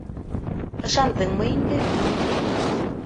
Ышандыңмы инде?